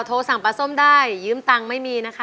๐๙๗๐๑๐๑๕๗๙โทรสั่งปลาส้มได้ยืมตังค์ไม่มีนะคะ